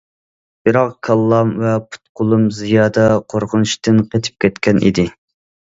بىراق كاللام ۋە پۇت- قولۇم زىيادە قورقۇنچتىن قېتىپ كەتكەن ئىدى.